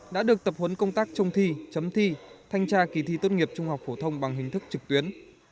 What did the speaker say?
đã được tập huấn công tác trông thi chấm thi thanh tra kỳ thi tốt nghiệp trung học phổ thông bằng hình thức trực tuyến